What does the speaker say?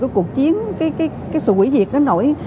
của cuộc chiến cái sự quỷ diệt đó nổi